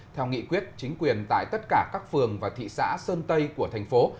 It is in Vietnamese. theo nghị quyết chính quyền tại tất cả các phường và thị xã sơn tây của thành phố